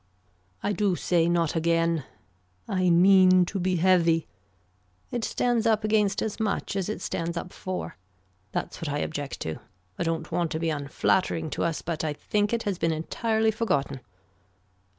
I do say not again. I mean to be heavy. It stands up against as much as it stands up for. That's what I object to. I don't want to be unflattering to us but I think it has been entirely forgotten.